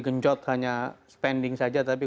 genjot hanya spending saja tapi